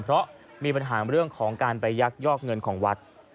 เพราะมีปัญหาเรื่องของการไปยักยอกเงินของวัด